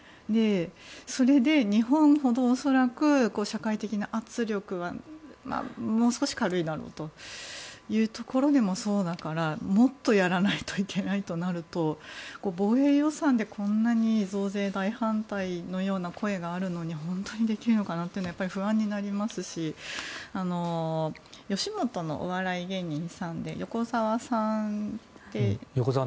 それで日本ほど恐らく社会的な圧力がもう少し軽いだろうというところでも、そうだからもっとやらないといけないとなると防衛予算でこんなに増税大反対のような声があるのに本当にできるのかなってやっぱり不安になりますし吉本のお笑い芸人さんで横澤さんって。